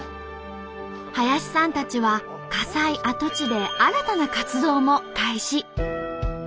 林さんたちは火災跡地で新たな活動も開始。